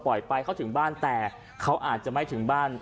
ถ้าเหลือเปล่าเธอเข้าได้ถึงบ้าน